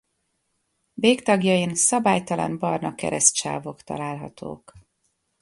Végtagjain szabálytalan barna keresztsávok találhatók.